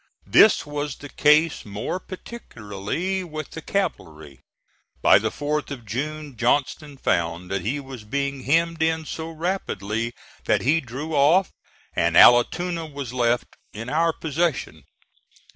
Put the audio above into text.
This was the case more particularly with the cavalry. By the 4th of June Johnston found that he was being hemmed in so rapidly that he drew off and Allatoona was left in our possession.